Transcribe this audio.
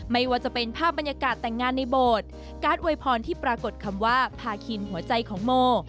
ไม่ว่าจะเป็นภาพบรรยากาศแต่งงานในโบสถ์การ์ดอวยพรที่ปรากฏคำว่าพาคินหัวใจของโม